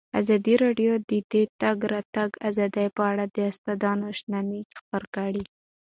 ازادي راډیو د د تګ راتګ ازادي په اړه د استادانو شننې خپرې کړي.